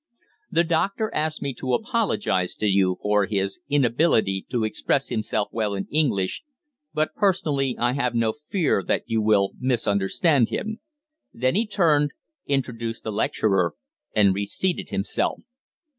The doctor asks me to apologise to you for his inability to express himself well in English, but personally I have no fear that you will misunderstand him." Then he turned, introduced the lecturer, and re seated himself.